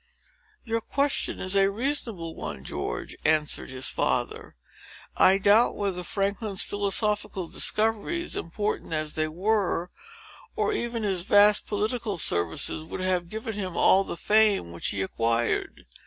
"Your question is a reasonable one, George," answered his father. "I doubt whether Franklin's philosophical discoveries, important as they were, or even his vast political services, would have given him all the fame which he acquired.